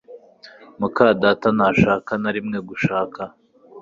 muka data ntashaka na rimwe gushaka